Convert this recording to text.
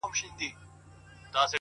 ملا صاحب دې گرځي بې ايمانه سرگردانه!!